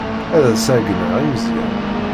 Ad as-ɛeyyneɣ i Meẓyan.